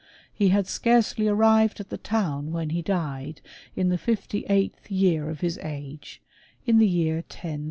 He had scarcely arrived at the town when he died in the fifty eighth year of his 1^, in the year 1036.